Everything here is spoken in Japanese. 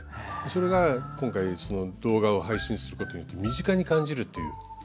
それが今回動画を配信することによって身近に感じるという。